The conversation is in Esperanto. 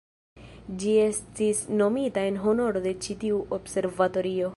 Ĝi estis nomita en honoro de ĉi-tiu observatorio.